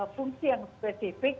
fungsi yang spesifik